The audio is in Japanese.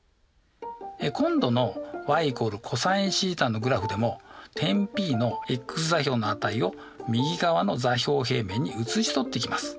今度のｙ＝ｃｏｓθのグラフでも点Ｐのｘ座標の値を右側の座標平面にうつし取っていきます。